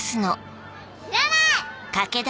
知らない！